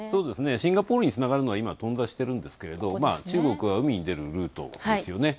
シンガポールにつながるのは今、頓挫してるんですけど中国が海に出るルートですよね。